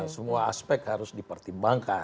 semua aspek harus dipertimbangkan